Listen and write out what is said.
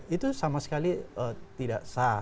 itu sama sekali tidak sah